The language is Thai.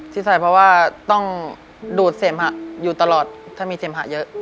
ที่ใส่เพราะว่าต้องดูดเสมหะอยู่ตลอดถ้ามีเสมหะเยอะ